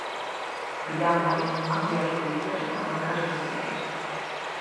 Virán mais de non cambiar as políticas económicas e sociais.